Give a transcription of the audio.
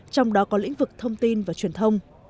trong đó có lĩnh vực thông tin và truyền thông